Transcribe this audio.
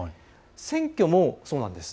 選挙もそうなんです。